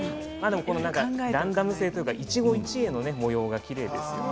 ランダム性というか一期一会の模様がきれいですよね。